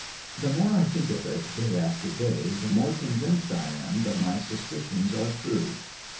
The more I think of it day after day, the more convinced I am that my suspicions are true.